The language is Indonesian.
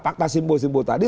fakta simpul simpul tadi